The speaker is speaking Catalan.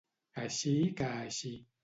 Així que així.